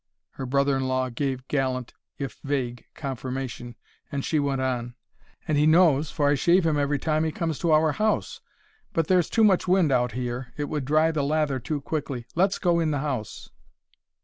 Her brother in law gave gallant, if vague, confirmation, and she went on: "And he knows, for I shave him every time he comes to our house. But there's too much wind out here, it would dry the lather too quickly; let's go in the house."